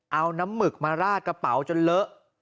เอาน้ำหมึกมาราดกระเป๋าจนเลอะ